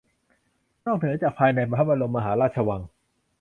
นอกเหนือจากภายในพระบรมมหาราชวัง